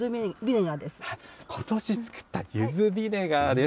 ことし作ったゆずビネガーです。